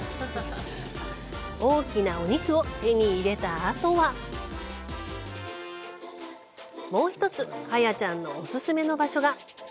大きなお肉を手に入れたあとはもう１つカヤちゃんのお勧めの場所が。